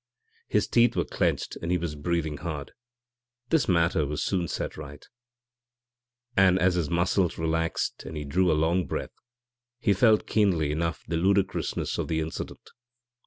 His teeth were clenched and he was breathing hard. This matter was soon set right, and as his muscles relaxed and he drew a long breath he felt keenly enough the ludicrousness of the incident.